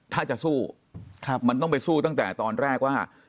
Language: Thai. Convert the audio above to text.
ถ้าจะสู้มันต้องไปสู้ตั้งแต่ตอนแรกว่า